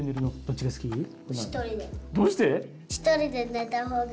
どうして？